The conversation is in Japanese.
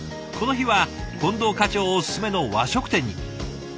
この日は近藤課長おすすめの和食店に。